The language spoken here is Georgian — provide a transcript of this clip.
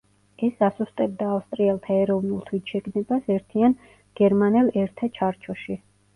ეს ასუსტებდა ავსტრიელთა ეროვნულ თვითშეგნებას ერთიან გერმანელ ერთა ჩარჩოში.